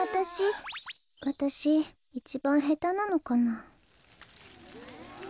こころのこえわたしいちばんへたなのかな。